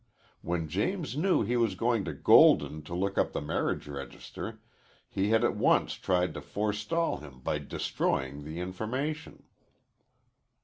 When James knew he was going to Golden to look up the marriage register, he had at once tried to forestall him by destroying the information.